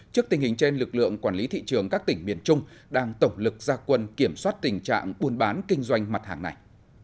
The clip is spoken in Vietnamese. trước tình hình trên lực lượng quản lý thị trường các tỉnh miền trung đang tổng lực gia quân kiểm soát tình trạng buôn bán kinh doanh mặt hàng này